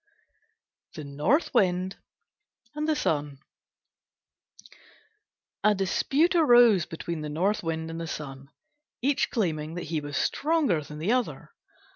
THE NORTH WIND AND THE SUN A dispute arose between the North Wind and the Sun, each claiming that he was stronger than the other.